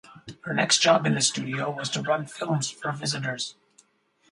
Her next job in the studio was to run films for visitors.